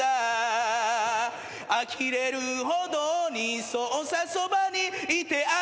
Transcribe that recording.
「あきれるほどにそうさそばにいてあげる」